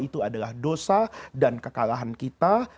itu adalah dosa dan kekalahan kita